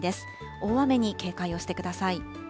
大雨に警戒をしてください。